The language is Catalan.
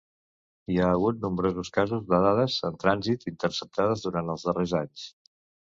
Hi ha hagut nombrosos casos de dades en trànsit interceptades durant els darrers anys.